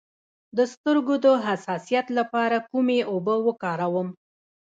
د سترګو د حساسیت لپاره کومې اوبه وکاروم؟